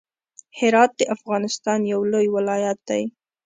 هرات د افغانستان يو لوی ولايت دی.